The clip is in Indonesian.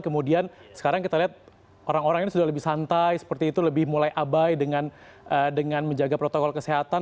kemudian sekarang kita lihat orang orang ini sudah lebih santai seperti itu lebih mulai abai dengan menjaga protokol kesehatan